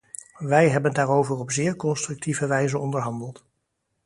Wij hebben daarover op zeer constructieve wijze onderhandeld.